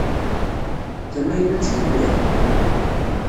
D tamaynut i telliḍ?